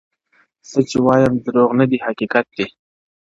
څه چي وایم دروغ نه دي حقیقت دی,